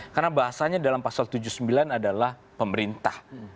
karena bahasanya dalam pasal tujuh puluh sembilan adalah pemerintah